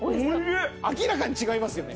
明らかに違いますよね。